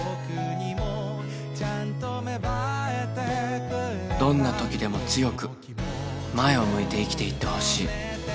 「どんな時でも強く前を向いて生きていってほしい」